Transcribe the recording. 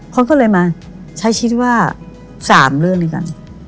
เขาก็เลยมาใช้ชีวิตว่า๓เรื่องด้วยกัน